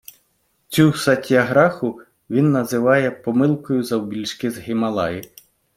Цю Сатьяграху він називає "помилкою завбільшки з Гімалаї".